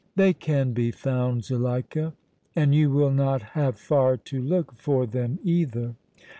"They can be found, Zuleika, and you will not have far to look for them either!"